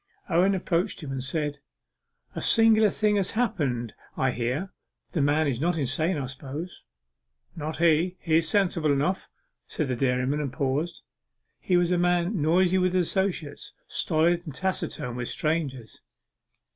Owen approached him and said 'A singular thing has happened, I hear. The man is not insane, I suppose?' 'Not he he's sensible enough,' said the dairyman, and paused. He was a man noisy with his associates stolid and taciturn with strangers.